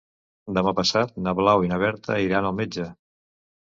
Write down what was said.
Demà passat na Blau i na Berta iran al metge.